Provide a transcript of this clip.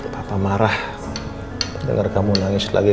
papa marah dengar kamu nangis lagi